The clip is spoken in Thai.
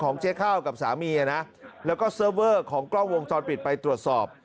เจ๊ข้าวกับสามีนะแล้วก็เซิร์ฟเวอร์ของกล้องวงจรปิดไปตรวจสอบ